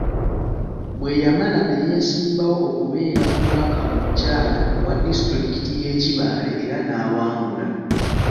Bwe yamala ne yeesimbawo okubeera omubaka omukyala owa disitulikiti y’e Kibaale era n’awangula.